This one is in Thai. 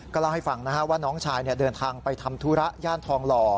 เล่าให้ฟังว่าน้องชายเดินทางไปทำธุระย่านทองหล่อ